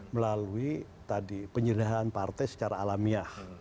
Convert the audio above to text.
melalui tadi penyerahan partai secara alamiah